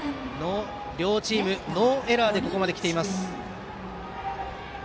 両チーム、ノーエラーでここまで来ています。